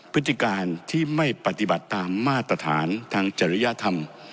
พฤติการที่ไม่ปฏิบัติตามมาตรฐานทางจริยธรรม